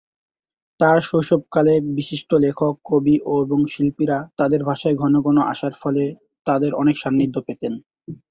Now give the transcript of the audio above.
তাঁর শৈশবকালে বিশিষ্ট লেখক, কবি এবং শিল্পীরা তাদের বাসায় ঘন ঘন আসার ফলে তাদের অনেক সান্নিধ্য পেতেন।